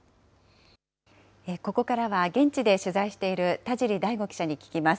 ここからは、現地で取材している田尻大湖記者に聞きます。